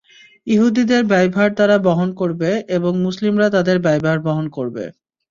ইহুদিদের ব্যয়ভার তারা বহন করবে এবং মুসলিমরা তাদের ব্যয়ভার বহন করবে।